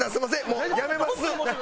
もうやめます！